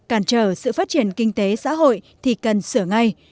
cản trở sự phát triển kinh tế xã hội thì cần sửa ngay